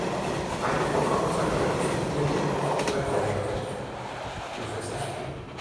Eine Vorverurteilung oder Diskriminierung, ob rechtlich oder gesellschaftlich, dürfe es nicht geben.